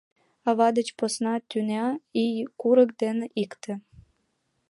Ава деч посна тӱня — ий курык дене икте.